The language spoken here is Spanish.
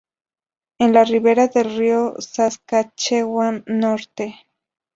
En la rivera del río Saskatchewan Norte.